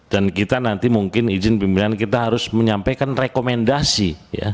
dan kita nanti mungkin izin pembinaan kita harus menyampaikan rekomendasi